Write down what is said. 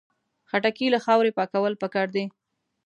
خټکی له خاورې پاکول پکار دي.